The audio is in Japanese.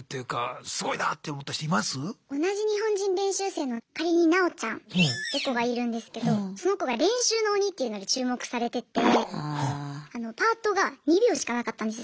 同じ日本人練習生の仮になおちゃんって子がいるんですけどその子が「練習の鬼」っていうので注目されててパートが２秒しかなかったんですよ